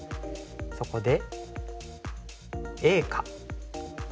そこでＡか。